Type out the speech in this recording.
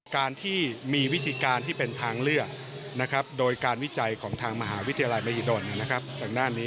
การที่มีวิธีการที่เป็นทางเลือกโดยการวิจัยของทางมหาวิทยาลัยมหิดลทางด้านนี้